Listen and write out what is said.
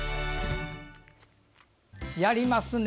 やりますね！